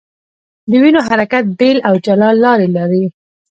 د وینو حرکت بېل او جلا لار لري.